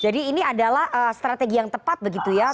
jadi ini adalah strategi yang tepat begitu ya